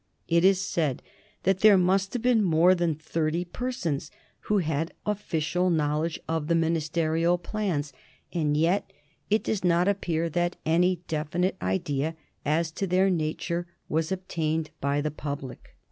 It is said that there must have been more than thirty persons who had official knowledge of the Ministerial plans, and yet it does not appear that any definite idea as to their nature was obtained by the public.